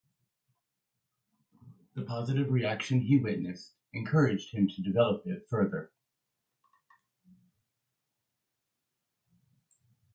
The positive reaction he witnessed encouraged him to develop it further.